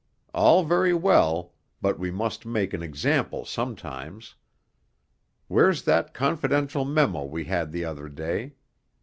'All very well, but we must make an example sometimes. Where's that confidential memo. we had the other day?